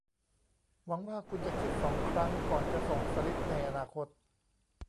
หวังว่าคุณจะคิดสองครั้งก่อนจะส่งสลิปในอนาคต